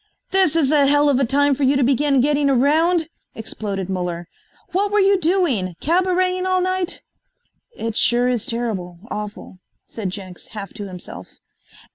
"This is a hell of a time for you to begin getting around," exploded Muller. "What were you doing, cabareting all night?" "It sure is terrible awful," said Jenks, half to himself.